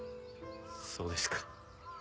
そうですか。